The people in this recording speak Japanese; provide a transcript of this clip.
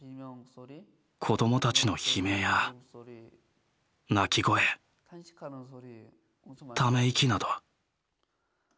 子どもたちの悲鳴や泣き声ため息など。